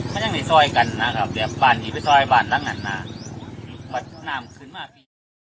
มันยังในซอยกันนะครับเดี๋ยวบานนี้ไปซอยบานตั้งนั้นนะมันนามคืนมาก